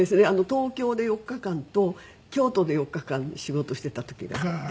東京で４日間と京都で４日間仕事してた時があって。